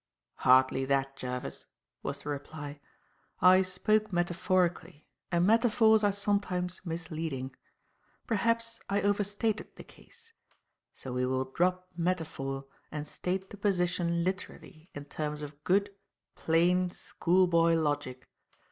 "Hardly that, Jervis," was the reply. "I spoke metaphorically, and metaphors are sometimes misleading. Perhaps I overstated the case; so we will drop metaphor and state the position literally in terms of good, plain, schoolboy logic.